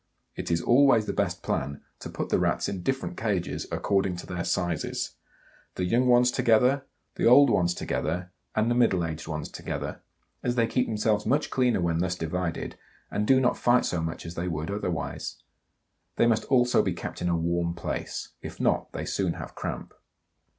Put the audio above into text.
It is always the best plan to put the Rats in different cages, according to their sizes. The young ones together, the old ones together, and the middle aged ones together, as they keep themselves much cleaner when thus divided, and do not fight so much as they would otherwise. They must also be kept in a warm place; if not, they soon have cramp.